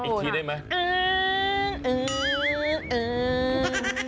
อีกทีได้ไหม